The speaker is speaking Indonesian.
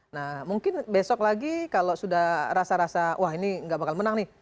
nah mungkin besok lagi kalau sudah rasa rasa wah ini nggak bakal menang nih